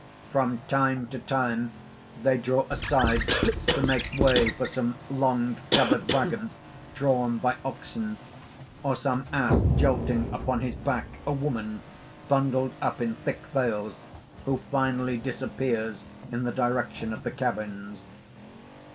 _ _From time to time, they draw aside to make way for some long covered wagon drawn by oxen, or some ass jolting upon his back a woman bundled up in thick veils, who finally disappears in the direction of the cabins.